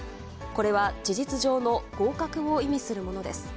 これは、事実上の合格を意味するものです。